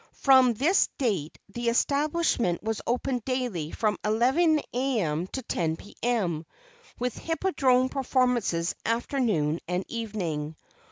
From this date the establishment was open daily from 11 A.M. to 10 P.M., with hippodrome performances afternoon and evening.